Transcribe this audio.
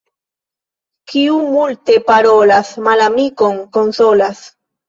Kiu multe parolas, malamikon konsolas.